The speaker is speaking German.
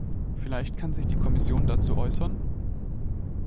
Vielleicht kann sich die Kommission dazu äußern?